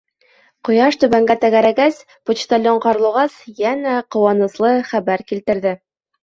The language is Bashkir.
Ҡояш түбәнгә тәгәрәгәс, почтальон ҡарлуғас йәнә ҡыуаныслы хәбәр килтерҙе.